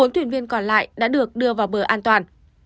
bốn thuyền viên còn lại đã được đưa vào bờ an toàn